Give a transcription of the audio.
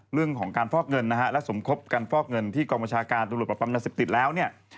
เรื่องของการฟอกเงินและสมคบการฟอกเงินที่กรมชาการตรวจปรับปรับนาศิษย์ติดแล้ว